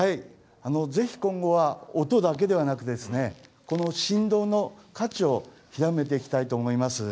ぜひ今後は音だけではなく振動の価値を極めていきたいと思います。